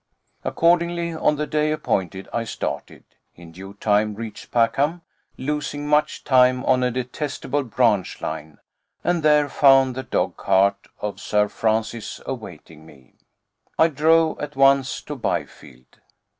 Accordingly, on the day appointed I started; in due time reached Packham, losing much time on a detestable branch line, and there found the dogcart of Sir Francis awaiting me. I drove at once to Byfield.